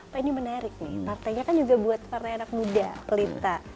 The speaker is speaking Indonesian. pak ini menarik nih partainya kan juga buat partai anak muda pelita